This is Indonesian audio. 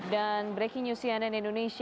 dan breaking news cnn indonesia